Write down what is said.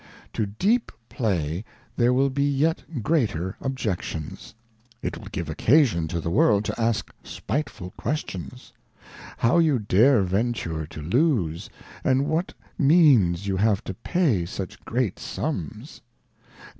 To deep Play there will be yet greater Objections. It will give Occasion to the World to ask spiteful Questions. How you dare venture to lose, and what means you have to pay such great summs